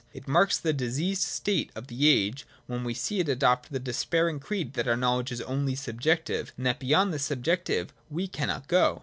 It marks the diseased state of the age when we see it adopt the despairing creed that our knowledge is only subjective, and that beyond this subjective we cannot go.